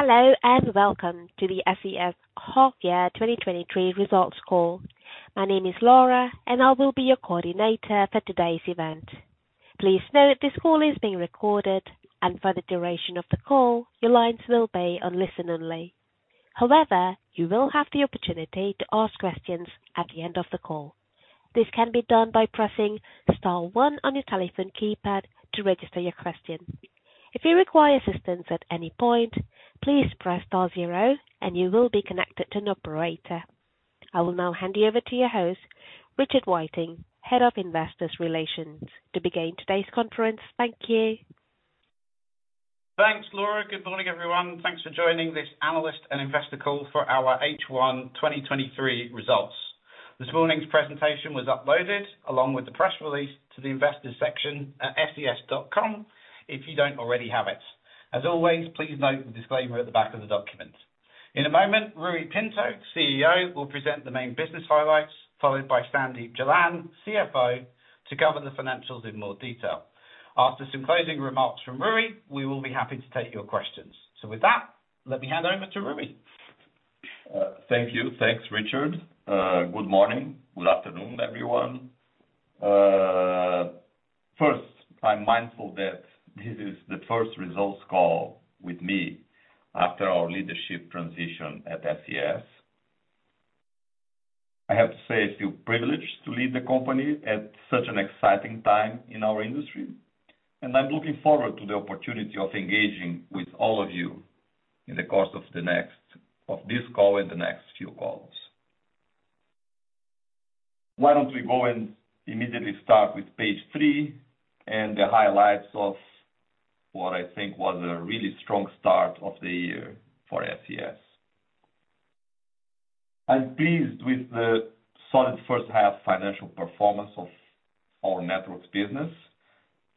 Hello, welcome to the SES Half Year 2023 results call. My name is Laura, and I will be your coordinator for today's event. Please note, this call is being recorded, and for the duration of the call, your lines will be on listen-only. However, you will have the opportunity to ask questions at the end of the call. This can be done by pressing star one on your telephone keypad to register your question. If you require assistance at any point, please press star zero and you will be connected to an operator. I will now hand you over to your host, Richard Whiteing, Head of Investor Relations, to begin today's conference. Thank you. Thanks, Laura. Good morning, everyone. Thanks for joining this analyst and investor call for our H1 2023 results. This morning's presentation was uploaded along with the press release to the investors section at ses.com, if you don't already have it. As always, please note the disclaimer at the back of the document. In a moment, Ruy Pinto, CEO, will present the main business highlights, followed by Sandeep Jalan, CFO, to govern the financials in more detail. After some closing remarks from Ruy, we will be happy to take your questions. With that, let me hand over to Ruy. Thank you. Thanks, Richard. Good morning. Good afternoon, everyone. First, I'm mindful that this is the 1st results call with me after our leadership transition at SES. I have to say, I feel privileged to lead the company at such an exciting time in our industry, and I'm looking forward to the opportunity of engaging with all of you in the course of this call and the next few calls. Why don't we go and immediately start with page 3 and the highlights of what I think was a really strong start of the year for SES? I'm pleased with the solid 1st half financial performance of our networks business.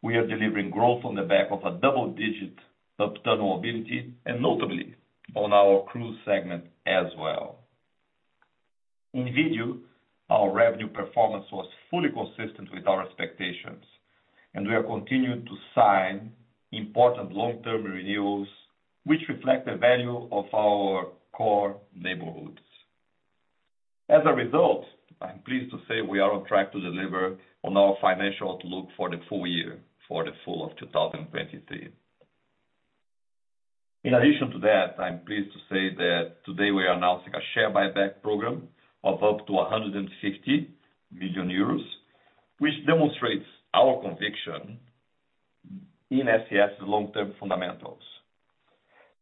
We are delivering growth on the back of a double-digit top-term mobility, and notably on our cruise segment as well. In video, our revenue performance was fully consistent with our expectations, and we have continued to sign important long-term renewals, which reflect the value of our core neighborhoods. As a result, I'm pleased to say we are on track to deliver on our financial outlook for the full year, for the full of 2023. In addition to that, I'm pleased to say that today we are announcing a share buyback program of up to 150 million euros, which demonstrates our conviction in SES's long-term fundamentals.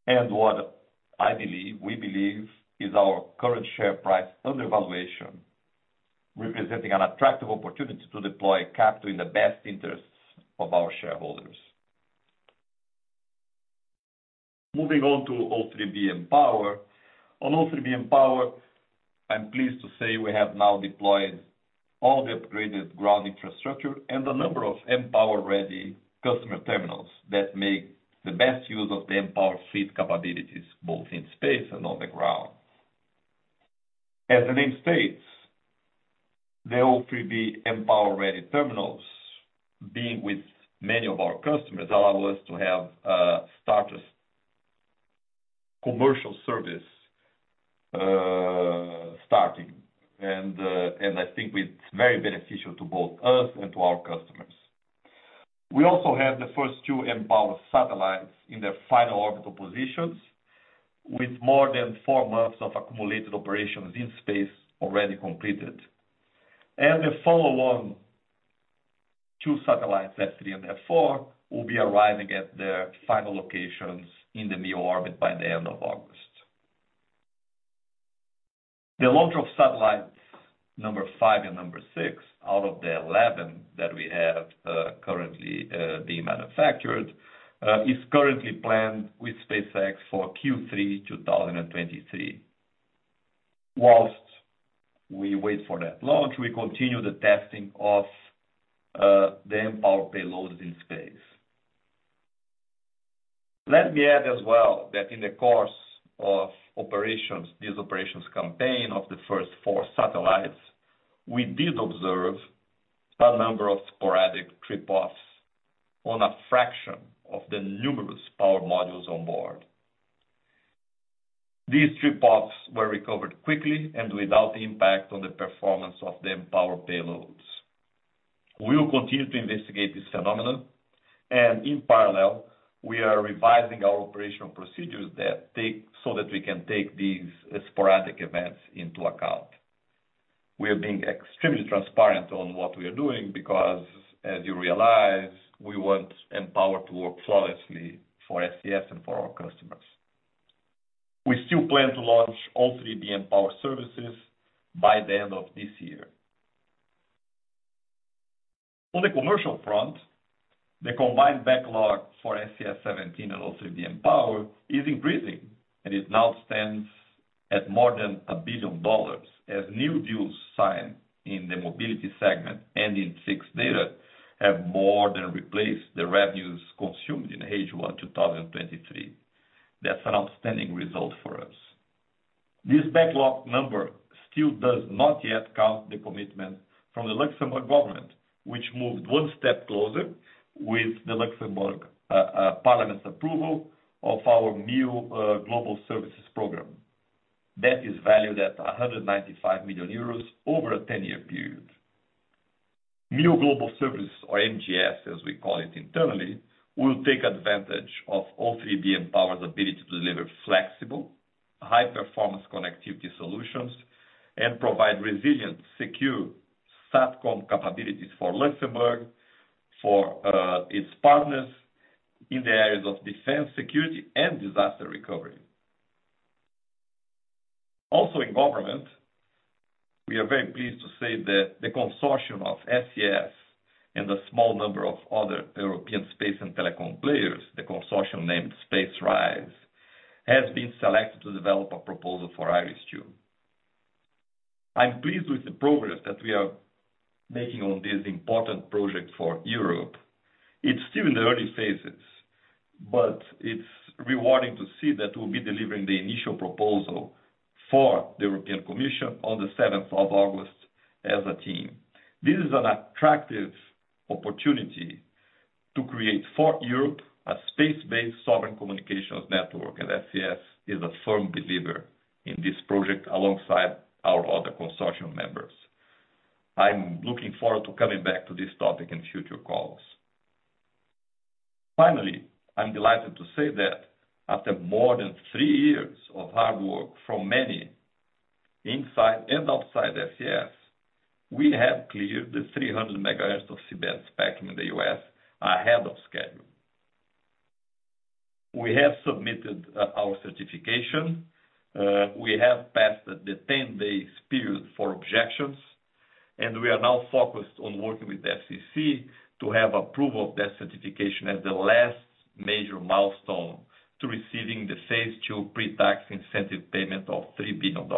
What I believe, we believe, is our current share price underevaluation, representing an attractive opportunity to deploy capital in the best interests of our shareholders. Moving on to O3b mPOWER. On O3b mPOWER, I'm pleased to say we have now deployed all the upgraded ground infrastructure and a number of mPOWER-ready customer terminals that make the best use of the mPOWER fleet capabilities, both in space and on the ground. As the name states, the O3b mPOWER-ready terminals, being with many of our customers, allow us to have, starters, commercial service, starting. I think it's very beneficial to both us and to our customers. We also have the first two mPOWER satellites in their final orbital positions, with more than four months of accumulated operations in space already completed. The follow-along two satellites, F3 and F4, will be arriving at their final locations in the MEO orbit by the end of August. The launch of satellites number 5 and number 6, out of the 11 that we have, currently being manufactured, is currently planned with SpaceX for Q3 2023. Whilst we wait for that launch, we continue the testing of the mPOWER payloads in space. Let me add as well, that in the course of operations, this operations campaign of the first 4 satellites, we did observe a number of sporadic trip-offs on a fraction of the numerous power modules on board. These trip-offs were recovered quickly and without impact on the performance of the mPOWER payloads. We will continue to investigate this phenomenon, and in parallel, we are revising our operational procedures so that we can take these sporadic events into account. We are being extremely transparent on what we are doing because, as you realize, we want mPOWER to work flawlessly for SES and for our customers. We still plan to launch all O3b mPOWER services by the end of this year. On the commercial front, the combined backlog for SES-17 and O3b mPOWER is increasing, and it now stands at more than $1 billion, as new deals signed in the mobility segment and in fixed data have more than replaced the revenues consumed in H1 2023. That's an outstanding result for us. This backlog number still does not yet count the commitment from the Luxembourg government, which moved one step closer with the Luxembourg parliament's approval of our new global services program. That is valued at 195 million euros over a 10-year period. New global services, or MGS, as we call it internally, will take advantage of O3b mPOWER ability to deliver flexible, high-performance connectivity solutions, and provide resilient, secure SATCOM capabilities for Luxembourg, for its partners in the areas of defense, security, and disaster recovery. In government, we are very pleased to say that the consortium of SES and a small number of other European space and telecom players, the consortium named SpaceRISE, has been selected to develop a proposal for IRIS². I'm pleased with the progress that we are making on this important project for Europe. It's still in the early phases, but it's rewarding to see that we'll be delivering the initial proposal for the European Commission on the 7th of August as a team. This is an attractive opportunity to create for Europe, a space-based sovereign communications network, and SES is a firm believer in this project alongside our other consortium members. I'm looking forward to coming back to this topic in future calls. Finally, I'm delighted to say that after more than 3 years of hard work from many inside and outside SES, we have cleared the 300 megahertz of C-band spectrum in the US ahead of schedule. We have submitted our certification, we have passed the 10-day period for objections, and we are now focused on working with the FCC to have approval of that certification as the last major milestone to receiving the phase II pre-tax incentive payment of $3 billion.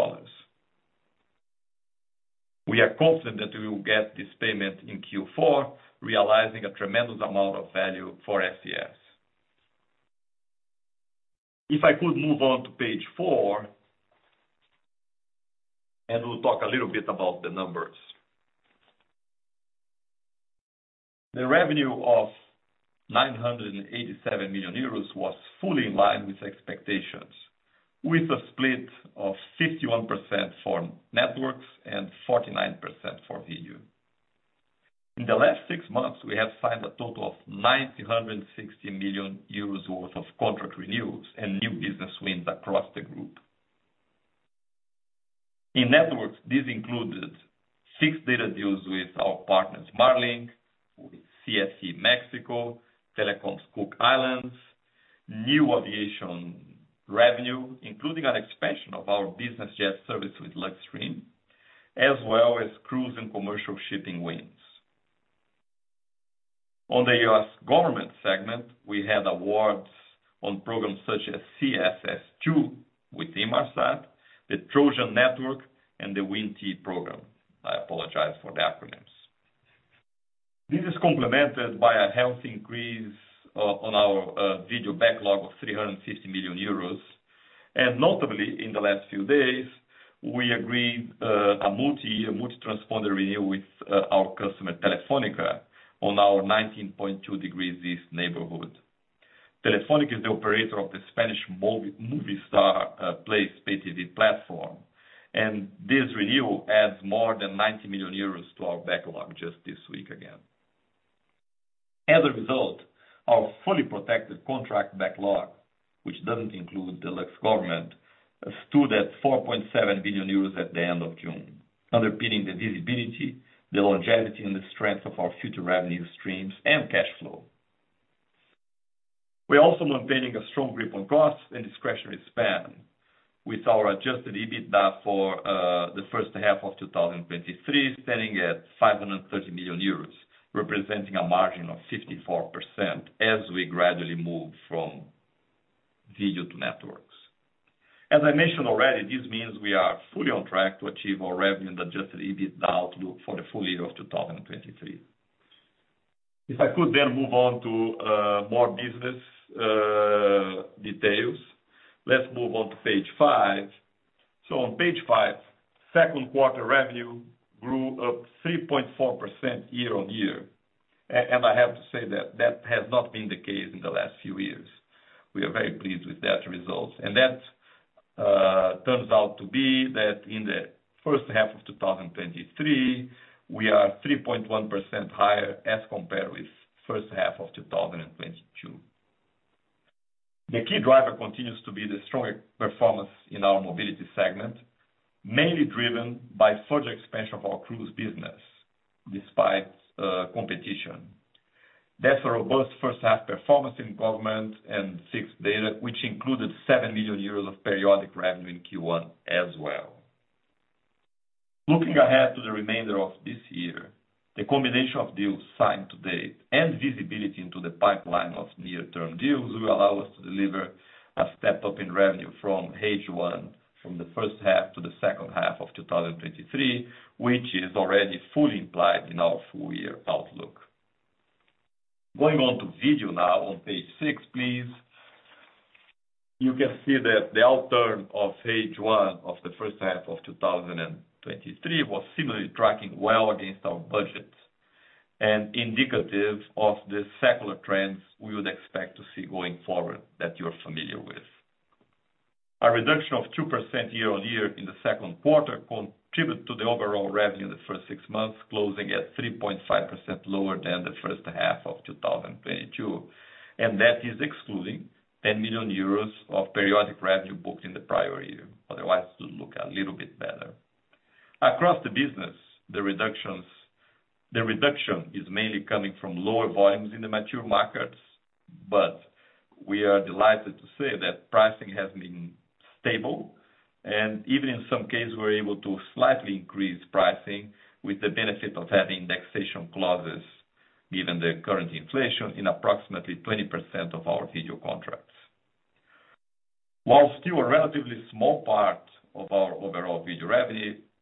We are confident that we will get this payment in Q4, realizing a tremendous amount of value for SES. If I could move on to page 4, we'll talk a little bit about the numbers. The revenue of 987 million euros was fully in line with expectations, with a split of 51% for networks and 49% for Video. In the last 6 months, we have signed a total of 960 million euros worth of contract renewals and new business wins across the group. In networks, this included 6 data deals with our partners, Marlink, with CFE Mexico, Telecom Cook Islands, new aviation revenue, including an expansion of our business jet service with LuxStream, as well as cruise and commercial shipping wins. On the U.S. government segment, we had awards on programs such as CSSC II with Inmarsat, the Trojan Network, and the WIN-T program. I apologize for the acronyms. This is complemented by a healthy increase on our video backlog of 350 million euros. Notably, in the last few days, we agreed a multi-year, multi-transponder renewal with our customer, Telefónica, on our 19.2 degrees east neighborhood. Telefónica is the operator of the Spanish Movie, Movistar Plus pay-tv platform, and this renewal adds more than 90 million euros to our backlog just this week again. As a result, our fully protected contract backlog, which doesn't include the Lux government, stood at 4.7 billion euros at the end of June, underpinning the visibility, the longevity, and the strength of our future revenue streams and cash flow. We're also maintaining a strong grip on costs and discretionary spend, with our adjusted EBITDA for the first half of 2023, standing at 530 million euros, representing a margin of 54% as we gradually move from Video to networks. As I mentioned already, this means we are fully on track to achieve our revenue and adjusted EBITDA outlook for the full year of 2023. If I could move on to more business details. Let's move on to page 5. On page 5, second quarter revenue grew up 3.4% year-over-year. I have to say that that has not been the case in the last few years. We are very pleased with that result, that turns out to be that in the first half of 2023, we are 3.1% higher as compared with first half of 2022. The key driver continues to be the strong performance in our mobility segment, mainly driven by further expansion of our cruise business despite competition. That's a robust first half performance in government and fixed data, which included 7 million euros of periodic revenue in Q1 as well. Looking ahead to the remainder of this year, the combination of deals signed to date and visibility into the pipeline of near-term deals, will allow us to deliver a step-up in revenue from H1, from the first half to the second half of 2023, which is already fully implied in our full-year outlook. Going on to video now on page six, please. You can see that the outturn of page one of the first half of 2023 was similarly tracking well against our budgets and indicative of the secular trends we would expect to see going forward that you're familiar with. A reduction of 2% year-on-year in the second quarter contributed to the overall revenue in the first six months, closing at 3.5% lower than the first half of 2022. That is excluding 10 million euros of periodic revenue booked in the prior year. Otherwise, it would look a little bit better. Across the business, the reduction is mainly coming from lower volumes in the mature markets. We are delighted to say that pricing has been stable, and even in some cases, we're able to slightly increase pricing with the benefit of having indexation clauses, given the current inflation in approximately 20% of our video contracts. While still a relatively small part of our overall video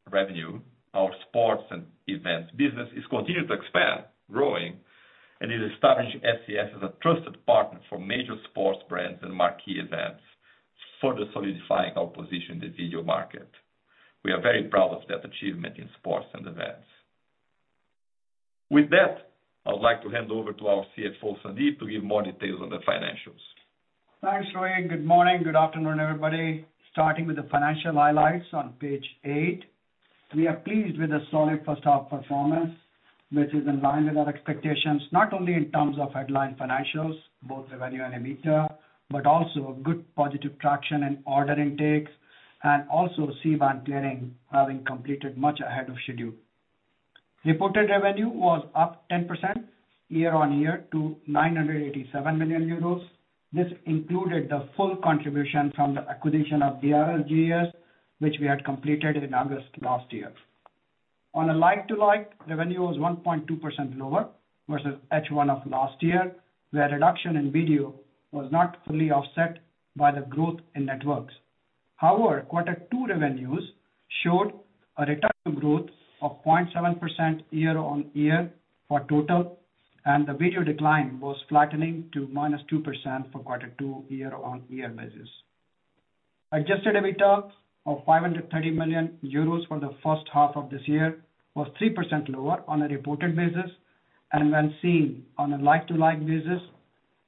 revenue, our sports and events business is continuing to expand, growing, and is establishing SES as a trusted partner for major sports brands and marquee events, further solidifying our position in the video market. We are very proud of that achievement in sports and events. With that, I would like to hand over to our CFO, Sandeep, to give more details on the financials. Thanks, Ruy. Good morning, good afternoon, everybody. Starting with the financial highlights on page 8. We are pleased with the solid first half performance, which is in line with our expectations, not only in terms of headline financials, both revenue and EBITDA, but also a good positive traction in order intakes and also C-band clearing, having completed much ahead of schedule. Reported revenue was up 10% year-on-year to 987 million euros. This included the full contribution from the acquisition of DRS GES, which we had completed in August last year. On a like-to-like, revenue was 1.2% lower versus H1 of last year, where reduction in video was not fully offset by the growth in networks. However, quarter two revenues showed a return to growth of 0.7% year-on-year for total, and the video decline was flattening to -2% for quarter two year-on-year basis. Adjusted EBITDA of 530 million euros for the first half of this year was 3% lower on a reported basis, and when seen on a like-to-like basis,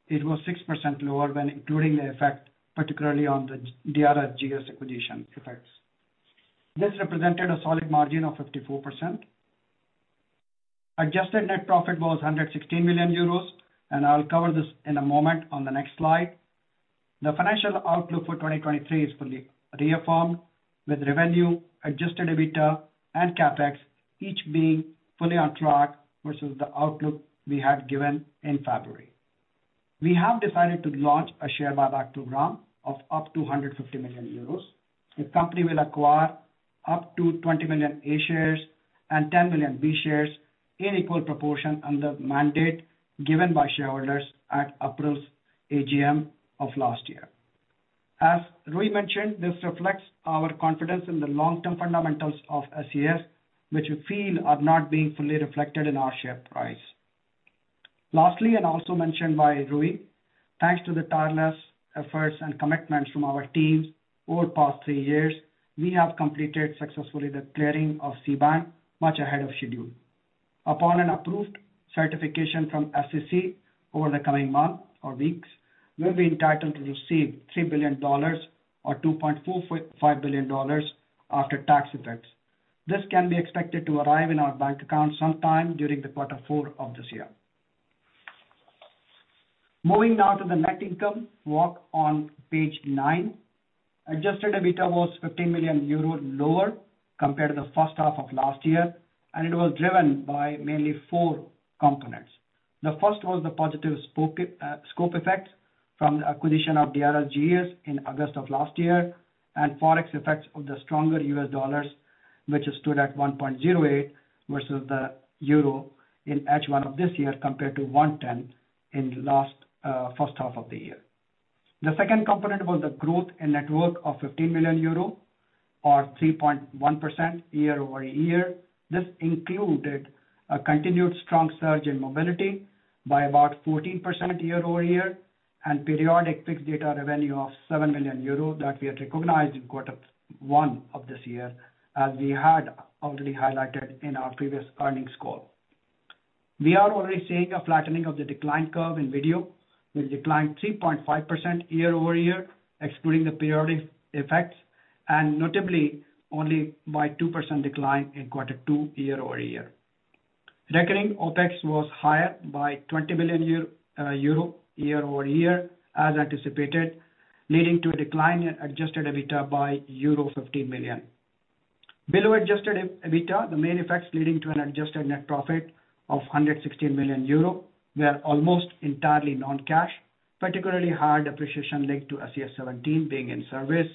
it was 6% lower when including the effect, particularly on the DRS GES acquisition effects. This represented a solid margin of 54%. Adjusted net profit was 116 million euros, and I'll cover this in a moment on the next slide. The financial outlook for 2023 is fully reaffirmed, with revenue, adjusted EBITDA, and CapEx each being fully on track versus the outlook we had given in February. We have decided to launch a share buyback program of up to 150 million euros. The company will acquire up to 20 million A shares and 10 million B shares in equal proportion under mandate given by shareholders at April's AGM of last year. As Ruy mentioned, this reflects our confidence in the long-term fundamentals of SES, which we feel are not being fully reflected in our share price. Lastly, and also mentioned by Ruy, thanks to the tireless efforts and commitments from our teams over the past three years, we have completed successfully the clearing of C-band much ahead of schedule. Upon an approved certification from FCC over the coming month or weeks, we'll be entitled to receive $3 billion, or $2.4 billion-$2.5 billion after tax effects. This can be expected to arrive in our bank account sometime during the quarter four of this year. Moving now to the net income walk on page 9. Adjusted EBITDA was 15 million euro lower compared to the first half of last year. It was driven by mainly 4 components. The first was the positive spoke scope effects from the acquisition of DRS GES in August of last year, and Forex effects of the stronger US dollar, which stood at 1.08 versus the euro in H1 of this year, compared to 1.10 in last first half of the year. The second component was the growth in network of 15 million euro, or 3.1% year-over-year. This included a continued strong surge in mobility by about 14% year-over-year, and periodic big data revenue of 7 million euro that we had recognized in quarter one of this year, as we had already highlighted in our previous earnings call. We are already seeing a flattening of the decline curve in video, which declined 3.5% year-over-year, excluding the periodic effects, and notably only by 2% decline in quarter two, year-over-year. Recurring OpEx was higher by 20 million euro year-over-year, as anticipated, leading to a decline in adjusted EBITDA by euro 50 million. Below adjusted EBITDA, the main effects leading to an adjusted net profit of 116 million euro were almost entirely non-cash, particularly high depreciation linked to SES-17 being in service,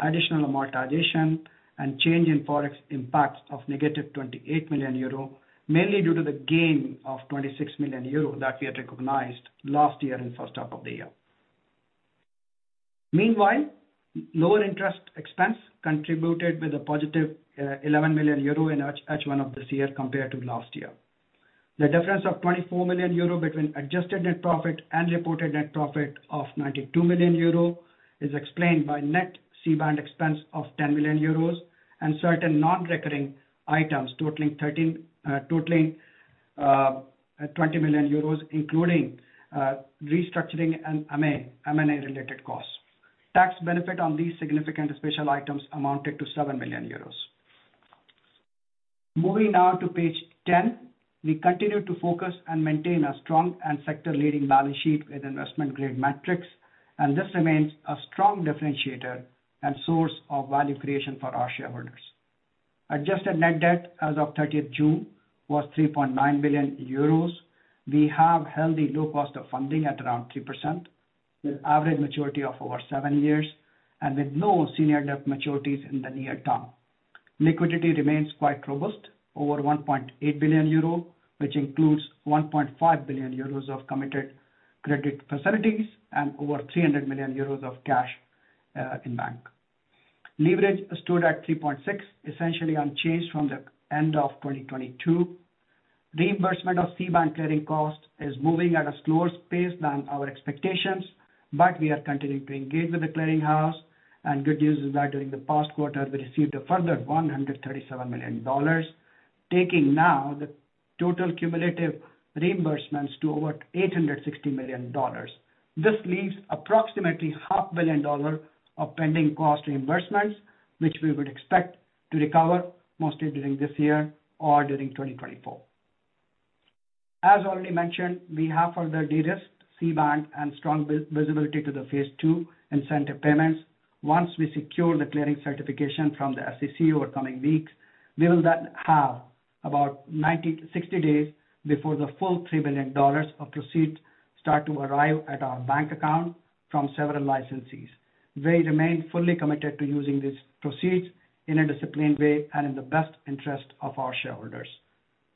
additional amortization, and change in Forex impacts of -28 million euro, mainly due to the gain of 26 million euro that we had recognized last year in H1 of the year. Meanwhile, lower interest expense contributed with a positive 11 million euro in H1 of this year compared to last year. The difference of 24 million euro between adjusted net profit and reported net profit of 92 million euro is explained by net C-band expense of 10 million euros and certain non-recurring items totaling 20 million euros, including restructuring and M&A-related costs. Tax benefit on these significant special items amounted to 7 million euros. Moving now to page 10. We continue to focus and maintain a strong and sector-leading balance sheet with investment-grade metrics, and this remains a strong differentiator and source of value creation for our shareholders. Adjusted net debt as of 30th June was 3.9 billion euros. We have healthy low cost of funding at around 3%, with average maturity of over 7 years, and with no senior debt maturities in the near term. Liquidity remains quite robust, over 1.8 billion euro, which includes 1.5 billion euros of committed credit facilities and over 300 million euros of cash in bank. Leverage stood at 3.6x, essentially unchanged from the end of 2022. Reimbursement of C-band clearing costs is moving at a slower pace than our expectations. We are continuing to engage with the clearing house, and good news is that during the past quarter, we received a further $137 million, taking now the total cumulative reimbursements to over $860 million. This leaves approximately $500 million of pending cost reimbursements, which we would expect to recover mostly during this year or during 2024. As already mentioned, we have further de-risked C-band and strong vis-visibility to the phase two incentive payments. Once we secure the clearing certification from the FCC over coming weeks, we will then have about 90-60 days before the full $3 billion of proceeds start to arrive at our bank account from several licensees. We remain fully committed to using these proceeds in a disciplined way and in the best interest of our shareholders.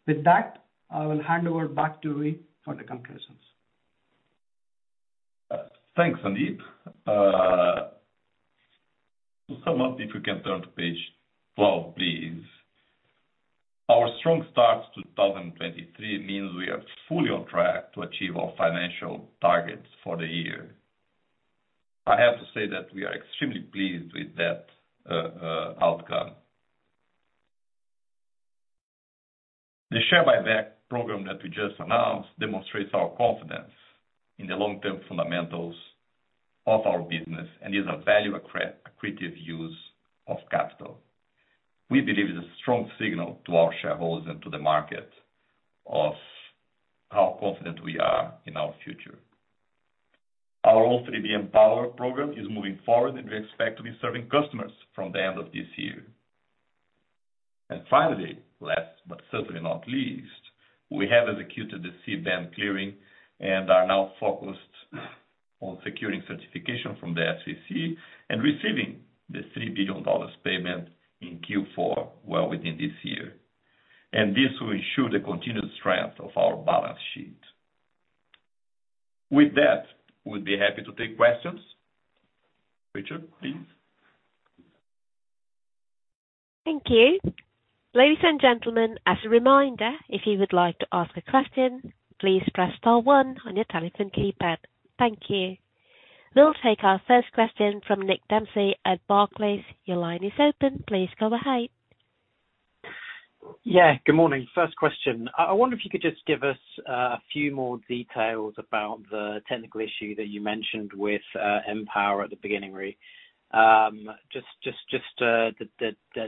With that, I will hand over back to Ruy for the conclusions. Thanks, Sandeep. To sum up, if you can turn to page 12, please. Our strong start to 2023 means we are fully on track to achieve our financial targets for the year. I have to say that we are extremely pleased with that outcome. The share buyback program that we just announced demonstrates our confidence in the long-term fundamentals of our business and is a value accretive use of capital. We believe it's a strong signal to our shareholders and to the market of how confident we are in our future. Our O3b mPOWER program is moving forward, and we expect to be serving customers from the end of this year. Finally, last but certainly not least, we have executed the C-band clearing and are now focused on securing certification from the FCC and receiving the $3 billion payment in Q4, well within this year. This will ensure the continued strength of our balance sheet. With that, we'll be happy to take questions. Richard, please. Thank you. Ladies and gentlemen, as a reminder, if you would like to ask a question, please press star one on your telephone keypad. Thank you. We'll take our first question from Nick Dempsey at Barclays. Your line is open. Please go ahead. Yeah, good morning. First question, I, I wonder if you could just give us a few more details about the technical issue that you mentioned with mPOWER at the beginning, Ruy. Just to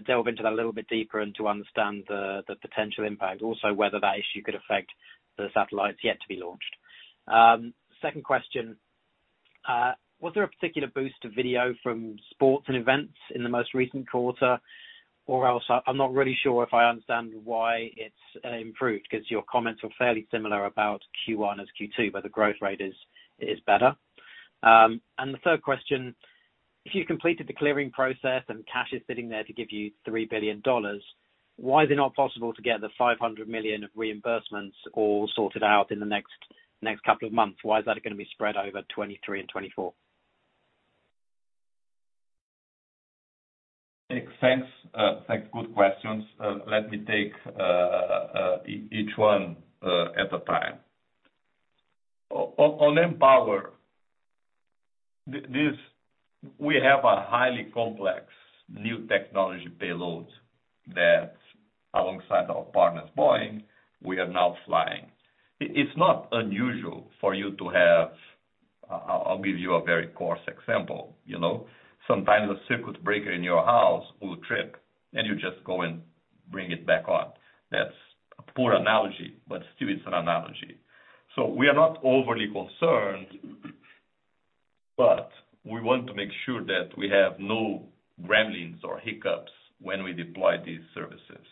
delve into that a little bit deeper and to understand the potential impact, also whether that issue could affect the satellites yet to be launched. Second question, was there a particular boost to video from sports and events in the most recent quarter? I- I'm not really sure if I understand why it's improved, because your comments were fairly similar about Q1 as Q2, where the growth rate is better. The third question, if you completed the clearing process and cash is sitting there to give you $3 billion, why is it not possible to get the $500 million of reimbursements all sorted out in the next couple of months? Why is that gonna be spread over 2023 and 2024? Nick, thanks. Thanks. Good questions. Let me take each one at a time. On mPower, this... We have a highly complex new technology payload that, alongside our partners, Boeing, we are now flying. It's not unusual for you to have... I'll give you a very coarse example, you know. Sometimes a circuit breaker in your house will trip, and you just go and bring it back on. That's a poor analogy, but still it's an analogy. We are not overly concerned, but we want to make sure that we have no gremlins or hiccups when we deploy these services.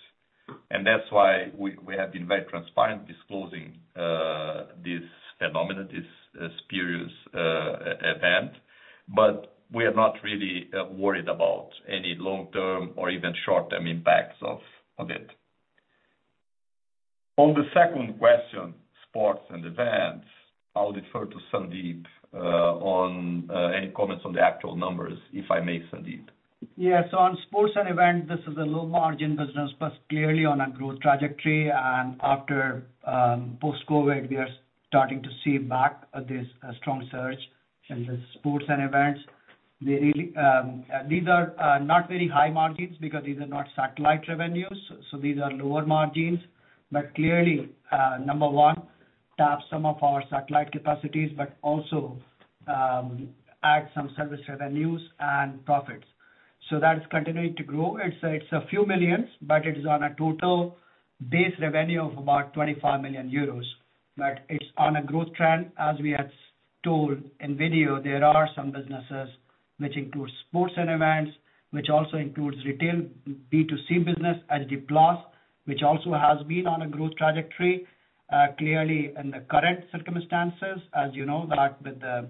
That's why we have been very transparent disclosing this phenomenon, this spurious event, but we are not really worried about any long-term or even short-term impacts of it. On the second question, sports and events, I'll defer to Sandeep on any comments on the actual numbers, if I may, Sandeep. Yeah. On sports and events, this is a low-margin business, but clearly on a growth trajectory. After post-COVID, we are starting to see back this strong surge in the sports and events. They really, these are not very high margins because these are not satellite revenues, so these are lower margins. Clearly, number one, tap some of our satellite capacities, but also add some service revenues and profits. That's continuing to grow. It's a few millions, but it is on a total base revenue of about 25 million euros. It's on a growth trend. As we had told, in video, there are some businesses which includes sports and events, which also includes retail, B2C business, HD+, which also has been on a growth trajectory. Clearly, in the current circumstances, as you know, that with the,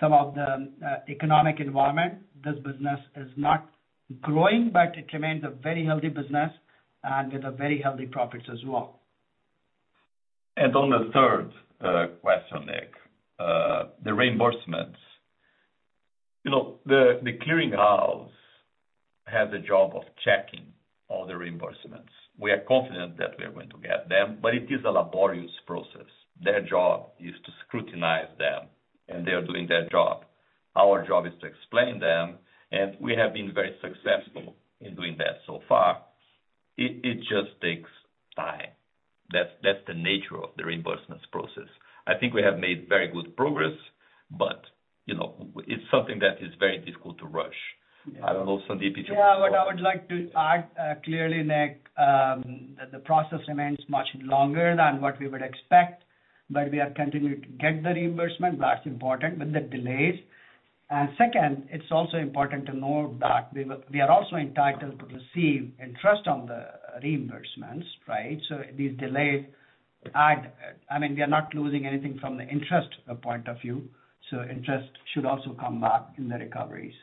some of the economic environment, this business is not growing, but it remains a very healthy business and with a very healthy profits as well. On the third question, Nick, the reimbursements. You know, the clearing house has a job of checking all the reimbursements. We are confident that we are going to get them, but it is a laborious process. Their job is to scrutinize them, and they are doing their job. Our job is to explain them, and we have been very successful in doing that so far. It, it just takes time. That's, that's the nature of the reimbursements process. I think we have made very good progress, but, you know, it's something that is very difficult to rush. Yeah. I don't know, Sandeep, if you- Yeah, what I would like to add, clearly, Nick, that the process remains much longer than what we would expect, but we are continuing to get the reimbursement. That's important with the delays. Second, it's also important to note that we are also entitled to receive interest on the reimbursements, right? These delays add, I mean, we are not losing anything from the interest point of view, so interest should also come back in the recoveries.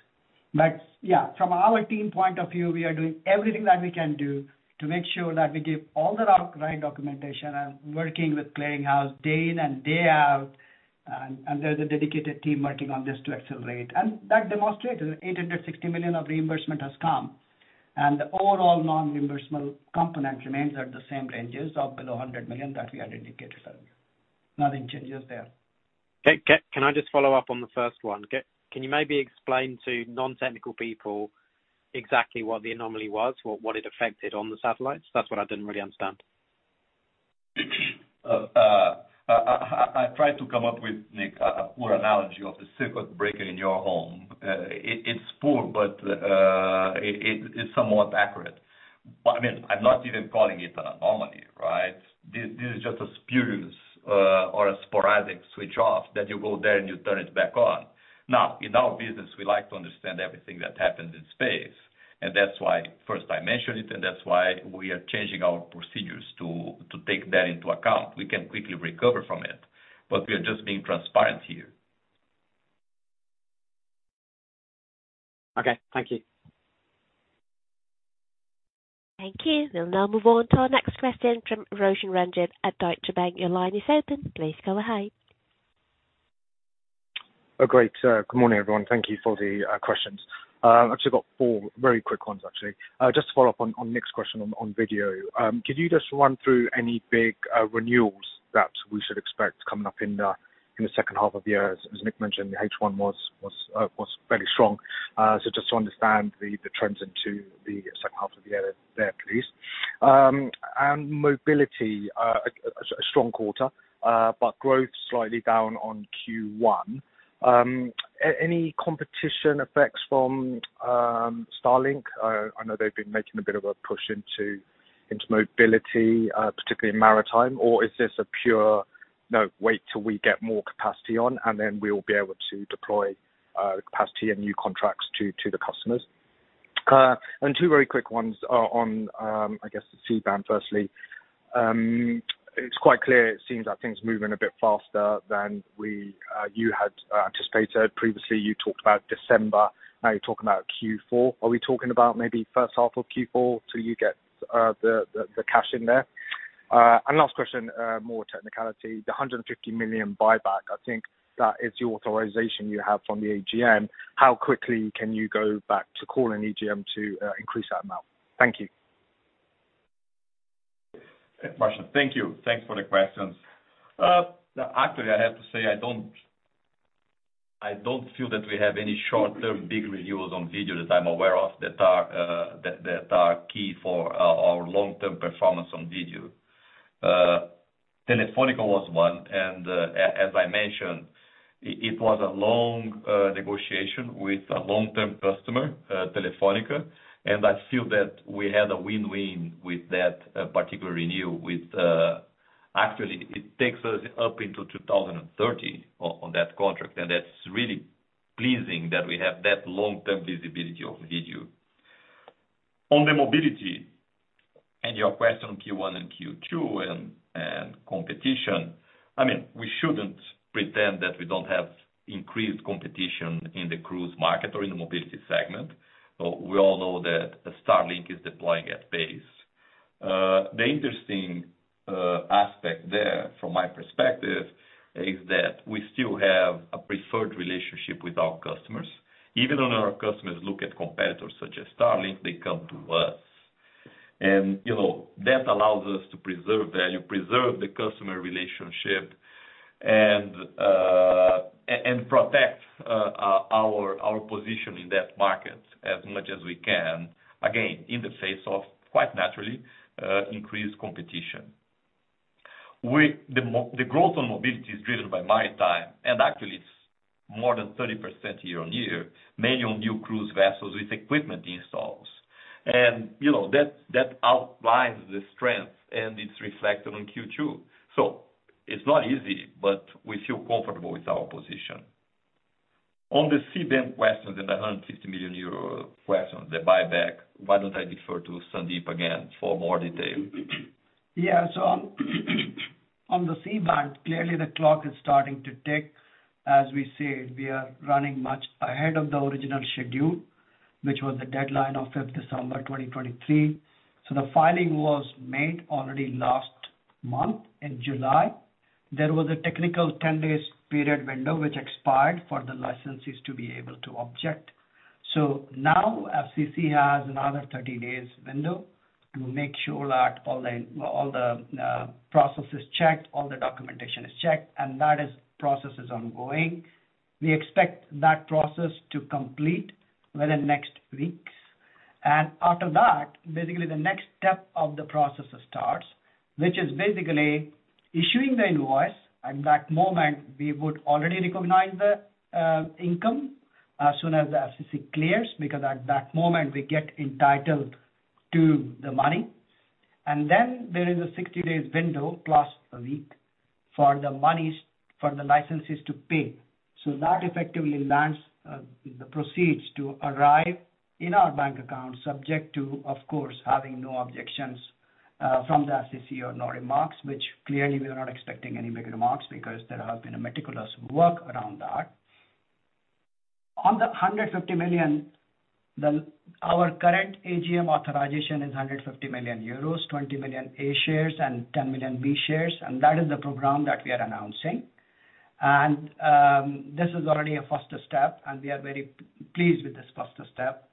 Yeah, from our team point of view, we are doing everything that we can do to make sure that we give all the right documentation and working with clearing house, day in and day out. And there's a dedicated team working on this to accelerate. That demonstrates that $860 million of reimbursement has come, and the overall non-reimbursable component remains at the same ranges of below $100 million that we had indicated earlier. Nothing changes there. Nick, can I just follow up on the first one? Can you maybe explain to non-technical people exactly what the anomaly was or what it affected on the satellites? That's what I didn't really understand. I, I tried to come up with, Nick, a poor analogy of the circuit breaker in your home. It, it's poor, it, it, it's somewhat accurate. I mean, I'm not even calling it an anomaly, right? This, this is just a spurious, or a sporadic switch off, that you go there and you turn it back on. In our business, we like to understand everything that happens in space, and that's why first I mentioned it, and that's why we are changing our procedures to, to take that into account. We can quickly recover from it, we are just being transparent here. Okay, thank you. Thank you. We'll now move on to our next question from Roshan Ranjit at Deutsche Bank. Your line is open. Please go ahead. Great. Good morning, everyone. Thank you for the questions. I've actually got four very quick ones, actually. Just to follow up on Nick's question on video. Could you just run through any big renewals that we should expect coming up in the second half of the year? As Nick mentioned, H1 was fairly strong. Just to understand the trends into the second half of the year there, please. Mobility, a strong quarter, but growth slightly down on Q1. Any competition effects from Starlink? I know they've been making a bit of a push into mobility, particularly in maritime. No, wait till we get more capacity on, and then we'll be able to deploy the capacity and new contracts to the customers? Two very quick ones are on, I guess, the C-band, firstly. It's quite clear, it seems like things are moving a bit faster than we, you had anticipated. Previously, you talked about December, now you're talking about Q4. Are we talking about maybe first half of Q4 till you get the cash in there? Last question, more technicality. The 150 million buyback, I think that is the authorization you have from the AGM. How quickly can you go back to calling AGM to increase that amount? Thank you. Thank you. Thanks for the questions. Actually, I have to say, I don't, I don't feel that we have any short-term big reviews on video, that I'm aware of, that are, that are key for our, our long-term performance on video. Telefónica was one, and, as I mentioned, it, it was a long negotiation with a long-term customer, Telefónica, and I feel that we had a win-win with that particular renew with. Actually, it takes us up into 2030 on that contract, and that's really pleasing that we have that long-term visibility of video. On the mobility, and your question on Q1 and Q2 and, and competition. I mean, we shouldn't pretend that we don't have increased competition in the cruise market or in the mobility segment. We all know that Starlink is deploying at pace. The interesting aspect there, from my perspective, is that we still have a preferred relationship with our customers. Even when our customers look at competitors such as Starlink, they come to us. You know, that allows us to preserve value, preserve the customer relationship, and, and protect our position in that market as much as we can, again, in the face of, quite naturally, increased competition. The growth on mobility is driven by maritime, and actually it's more than 30% year-on-year, many on new cruise vessels with equipment installs. You know, that, that outlines the strength, and it's reflected on Q2. It's not easy, but we feel comfortable with our position. On the C-band questions and the 150 million euro questions, the buyback, why don't I defer to Sandeep again for more detail? Yeah. On, on the C-band, clearly the clock is starting to tick. As we said, we are running much ahead of the original schedule, which was the deadline of 5th December 2023. The filing was made already last month, in July. There was a technical 10 days period window, which expired for the licensees to be able to object. Now, FCC has another 30 days window to make sure that all the, all the, processes is checked, all the documentation is checked, and that is, process is ongoing. We expect that process to complete within next weeks, and after that, basically the next step of the process starts, which is basically issuing the invoice. At that moment, we would already recognize the, income as soon as the FCC clears, because at that moment we get entitled to the money. Then there is a 60 days window, plus a week, for the moneys, for the licenses to pay. That effectively lands the proceeds to arrive in our bank account, subject to, of course, having no objections from the FCC or no remarks, which clearly we are not expecting any big remarks because there have been a meticulous work around that. On the 150 million, our current AGM authorization is 150 million euros, 20 million A shares and 10 million B shares, and that is the program that we are announcing. This is already a further step, and we are very pleased with this further step.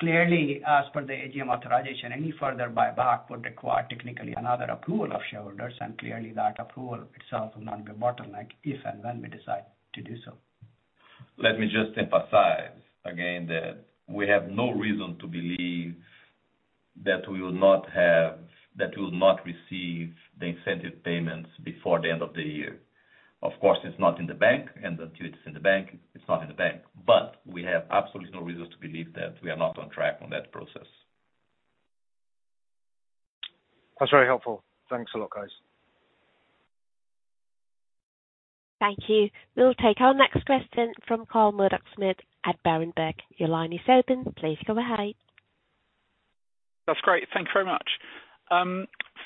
Clearly, as per the AGM authorization, any further buyback would require, technically, another approval of shareholders, and clearly that approval itself will not be a bottleneck if and when we decide to do so. Let me just emphasize again that we have no reason to believe that we will not receive the incentive payments before the end of the year. Of course, it's not in the bank, and until it's in the bank, it's not in the bank. We have absolutely no reasons to believe that we are not on track on that process. That's very helpful. Thanks a lot, guys. Thank you. We'll take our next question from Carl Murdock-Smith at Berenberg. Your line is open, please go ahead. That's great. Thank you very much.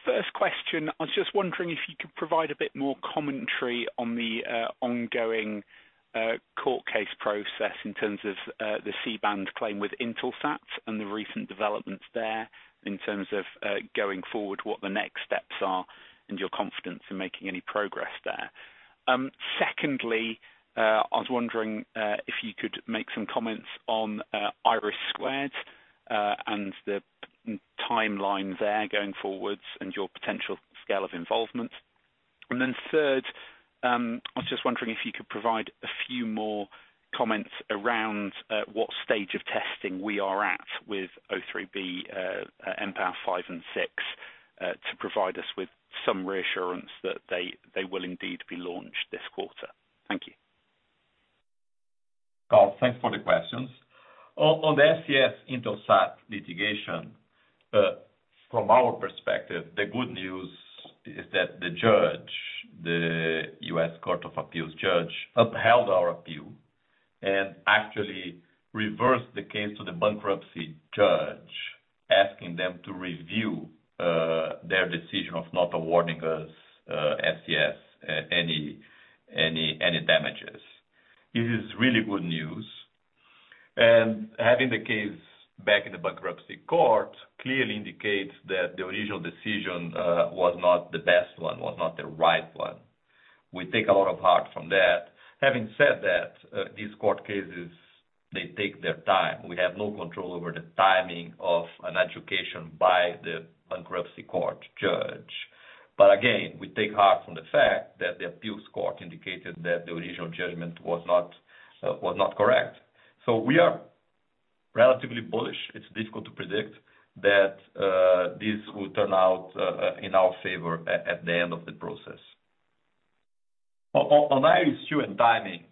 First question, I was just wondering if you could provide a bit more commentary on the ongoing court case process in terms of the C-band claim with Intelsat and the recent developments there, in terms of going forward, what the next steps are and your confidence in making any progress there. Secondly, I was wondering if you could make some comments on IRIS², and the timeline there going forwards and your potential scale of involvement. Third, I was just wondering if you could provide a few more comments around what stage of testing we are at with O3b mPOWER 5 and 6, to provide us with some reassurance that they will indeed be launched this quarter. Thank you. Carl, thanks for the questions. On, on the SES Intelsat litigation, from our perspective, the good news is that the judge, the US Court of Appeals judge, upheld our appeal and actually reversed the case to the bankruptcy judge, asking them to review their decision of not awarding us, SES, any, any, any damages. This is really good news, and having the case back in the bankruptcy court clearly indicates that the original decision was not the best one, was not the right one. We take a lot of heart from that. Having said that, these court cases, they take their time. We have no control over the timing of an education by the bankruptcy court judge. But again, we take heart from the fact that the appeals court indicated that the original judgment was not, was not correct. We are relatively bullish. It's difficult to predict that this will turn out in our favor at the end of the process. On IRIS² and timing,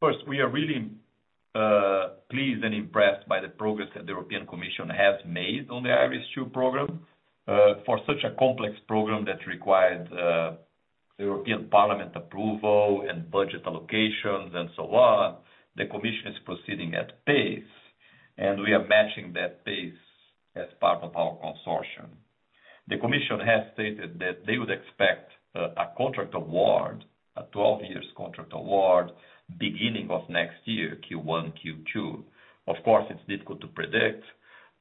first, we are really pleased and impressed by the progress that the European Commission has made on the IRIS² program. For such a complex program that required European Parliament approval and budget allocations and so on, the Commission is proceeding at pace, and we are matching that pace as part of our consortium. The Commission has stated that they would expect a contract award, a 12 years contract award, beginning of next year, Q1, Q2. Of course, it's difficult to predict,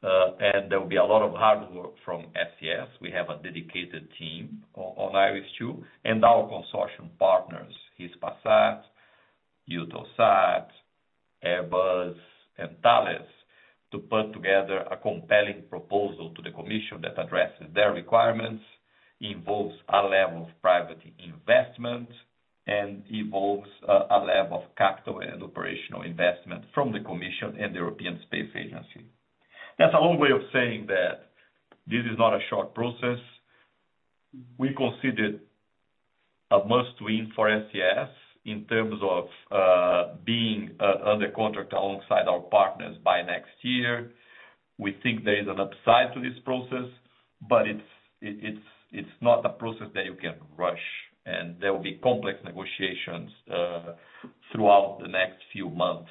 and there will be a lot of hard work from SES. We have a dedicated team on IRIS², and our consortium partners, Hispasat, Eutelsat, Airbus, and Thales, to put together a compelling proposal to the Commission that addresses their requirements, involves a level of private investment, and involves a level of capital and operational investment from the Commission and the European Space Agency. That's a long way of saying that this is not a short process. We consider it a must-win for SES in terms of being under contract alongside our partners by next year. We think there is an upside to this process, but it's not a process that you can rush, and there will be complex negotiations throughout the next few months.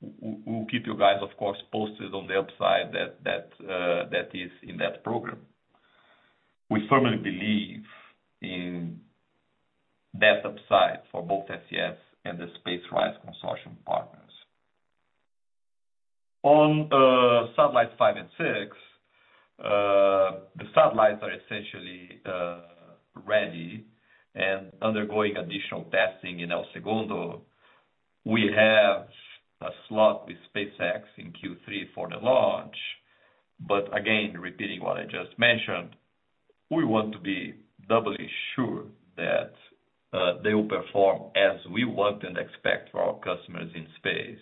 We'll keep you guys, of course, posted on the upside that, that is in that program. We firmly believe in that upside for both SES and the SpaceRISE consortium partners. On satellites 5 and 6, the satellites are essentially ready and undergoing additional testing in El Segundo. We have a slot with SpaceX in Q3 for the launch. Again, repeating what I just mentioned, we want to be doubly sure that they will perform as we want and expect for our customers in space.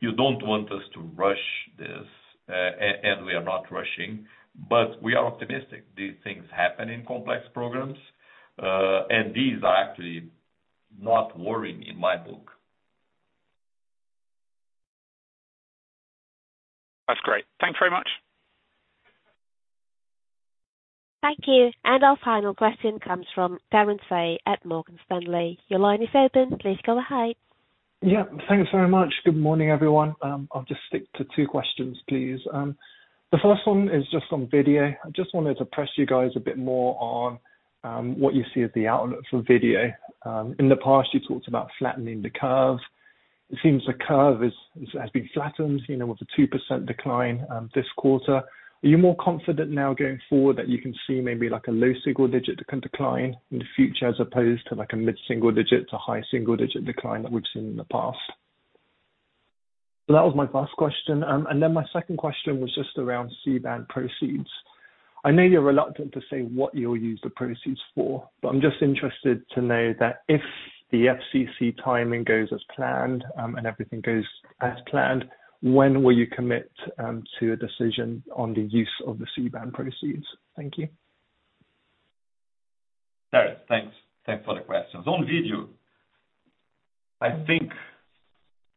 You don't want us to rush this, and we are not rushing, but we are optimistic. These things happen in complex programs, and these are actually not worrying in my book. That's great. Thanks very much. Thank you. Our final question comes from Darren Fay at Morgan Stanley. Your line is open. Please go ahead. Yeah, thanks very much. Good morning, everyone. I'll just stick to 2 questions, please. The first one is just on video. I just wanted to press you guys a bit more on what you see as the outlook for video. In the past, you talked about flattening the curve. It seems the curve is, has been flattened, you know, with a 2% decline this quarter. Are you more confident now going forward that you can see maybe, like, a low single-digit decline in the future, as opposed to, like, a mid-single-digit to high single-digit decline that we've seen in the past? That was my first question. And then my second question was just around C-band proceeds. I know you're reluctant to say what you'll use the proceeds for, but I'm just interested to know that if the FCC timing goes as planned, and everything goes as planned, when will you commit to a decision on the use of the C-band proceeds? Thank you. Darren, thanks. Thanks for the questions. On video, I think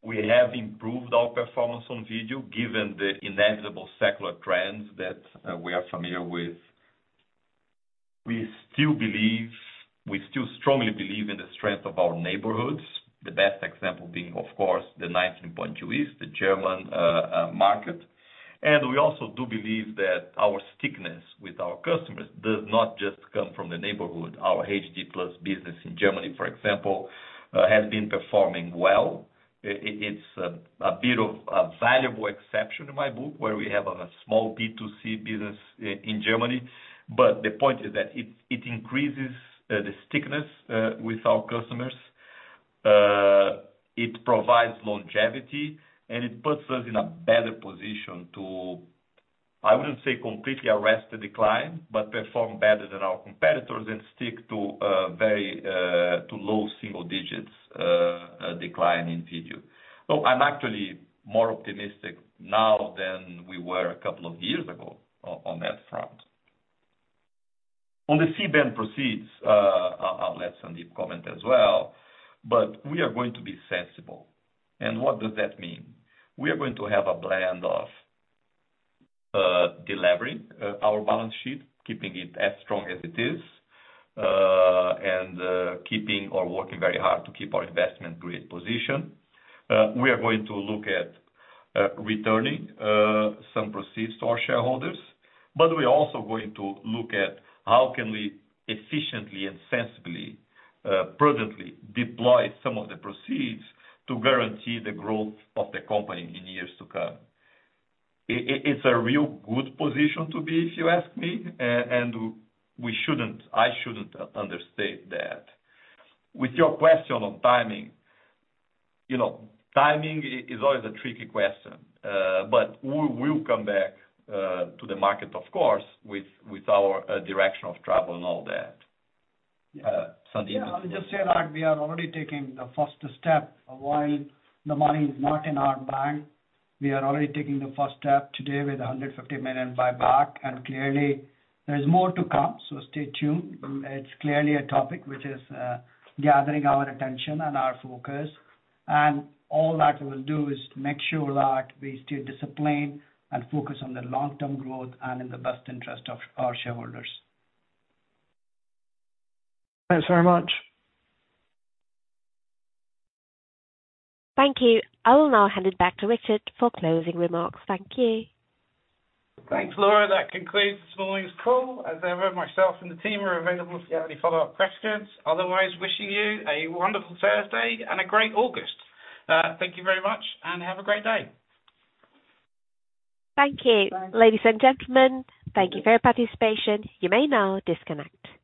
we have improved our performance on video, given the inevitable secular trends that we are familiar with. We still strongly believe in the strength of our neighborhoods, the best example being, of course, the 19.2 east, the German market. We also do believe that our stickiness with our customers does not just come from the neighborhood. Our HD+ business in Germany, for example, has been performing well. It's a bit of a valuable exception in my book, where we have a small B2C business in Germany. The point is that it increases the stickiness with our customers, it provides longevity, and it puts us in a better position to... I wouldn't say completely arrest the decline, but perform better than our competitors and stick to, very, to low single digits, decline in video. I'm actually more optimistic now than we were a couple of years ago on that front. On the C-band proceeds, I'll, I'll let Sandeep comment as well, but we are going to be sensible. What does that mean? We are going to have a blend of, delivering, our balance sheet, keeping it as strong as it is, and, keeping or working very hard to keep our investment grade position. We are going to look at returning some proceeds to our shareholders, but we're also going to look at how can we efficiently and sensibly, prudently deploy some of the proceeds to guarantee the growth of the company in years to come. It's a real good position to be, if you ask me, and we shouldn't, I shouldn't understate that. With your question on timing, you know, timing is always a tricky question, but we will come back to the market, of course, with our direction of travel and all that. Sandeep? Yeah, I'll just say that we are already taking the first step. While the money is not in our bank, we are already taking the first step today with a 150 million buyback, and clearly there is more to come, so stay tuned. It's clearly a topic which is gathering our attention and our focus. All that we'll do is to make sure that we stay disciplined and focused on the long-term growth and in the best interest of our shareholders. Thanks very much. Thank you. I will now hand it back to Richard for closing remarks. Thank you. Thanks, Laura. That concludes this morning's call. As ever, myself and the team are available if you have any follow-up questions. Otherwise, wishing you a wonderful Thursday and a great August. Thank you very much, and have a great day. Thank you. Ladies and gentlemen, thank you for your participation. You may now disconnect.